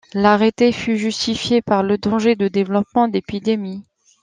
L'arrêté fut justifié par le danger de développement d'épidémies.